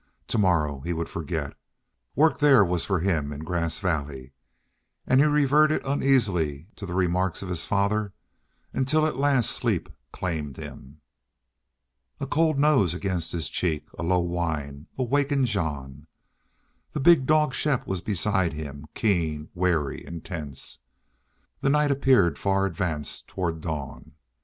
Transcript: To morrow he would forget. Work there was for him in Grass Valley. And he reverted uneasily to the remarks of his father until at last sleep claimed him. A cold nose against his cheek, a low whine, awakened Jean. The big dog Shepp was beside him, keen, wary, intense. The night appeared far advanced toward dawn.